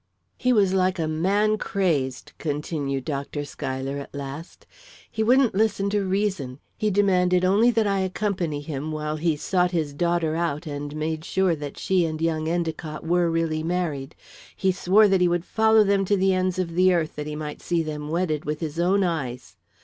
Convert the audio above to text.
"He was like a man crazed," continued Dr. Schuyler, at last. "He wouldn't listen to reason; he demanded only that I accompany him, while he sought his daughter out and made sure that she and young Endicott were really married. He swore that he would follow them to the ends of the earth that he might see them wedded with his own eyes.